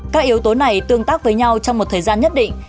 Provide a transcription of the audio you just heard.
các yếu tố này tương tác với nhau trong một thời gian nhất định